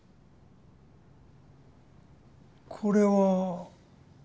これは。